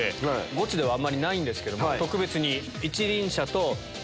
ゴチではあんまりないんですけど特別に。